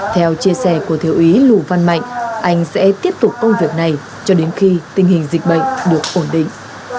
theo chia sẻ của thiếu úy lù văn mạnh anh sẽ tiếp tục công việc này cho đến khi tình hình dịch bệnh được ổn định